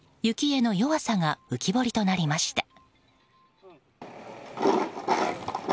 雪への弱さが浮き彫りとなりました。